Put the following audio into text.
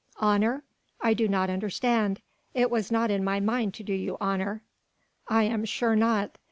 "Honour? I do not understand. It was not in my mind to do you honour." "I am sure not.